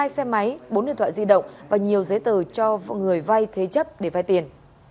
hai xe máy bốn điện thoại di động và nhiều giấy tờ cho người vay thế chấp để vai tiền